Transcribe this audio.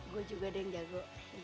gue juga deng jago